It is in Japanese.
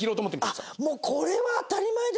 もうこれは当たり前ですね。